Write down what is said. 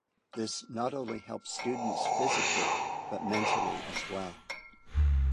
This not only helps students physically but mentally as well.